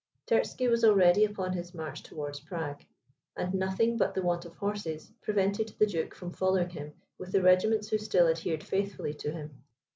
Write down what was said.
Terzky was already upon his march towards Prague; and nothing, but the want of horses, prevented the duke from following him with the regiments who still adhered faithfully to him.